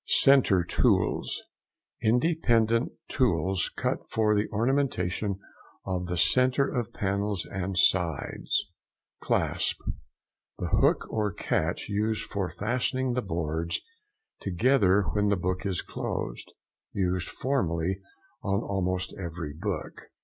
CENTRE TOOLS.—Independent tools cut for the ornamentation of the centre of panels and sides. CLASP.—The hook or catch used for fastening the boards together when the book is closed; used formerly on almost every book.